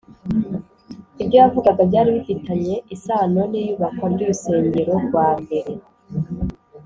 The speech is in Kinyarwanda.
ibyo yavugaga byari bifitanye isano n’iyubakwa ry’urusengero rwa mbere